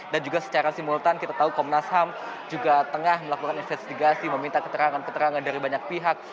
dan juga secara simultan kita tahu komnas ham juga tengah melakukan investigasi meminta keterangan keterangan dari banyak pihak